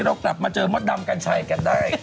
เรากลับมาเจอมดดำกัญชัยกันได้